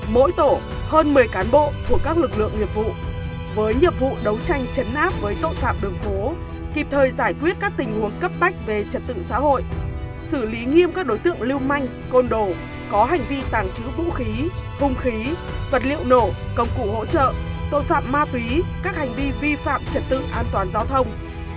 mỗi tổ hơn một mươi cán bộ của các lực lượng nghiệp vụ với nhiệp vụ đấu tranh chấn áp với tội phạm đường phố kịp thời giải quyết các tình huống cấp tách về trật tự xã hội xử lý nghiêm các đối tượng lưu manh côn đồ có hành vi tàng trữ vũ khí hung khí vật liệu nổ công cụ hỗ trợ tội phạm ma túy các hành vi vi phạm trật tự an toàn giao thông